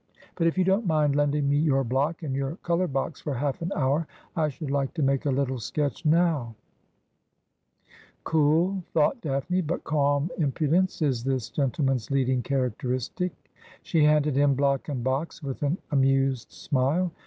But if you 14 Asphodel. don't mind lending me your block and your colour box for half an hour I should like to make a little sketch now.' ' Cool,' thought Daphne. ' But calm impudence is this gen tleman's leading characteristic' She handed him block and box with an amused smile.